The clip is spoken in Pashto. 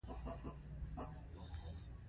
دا آزادي د صادقانه او خلاصو خبرو اترو لامل کېږي.